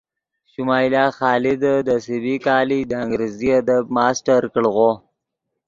شمائلہ خادے دے سی بی کالج دے انگریزی ادب ماسٹر کڑغو